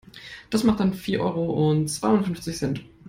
Das macht dann vier Euro und zweiundfünfzig Cent.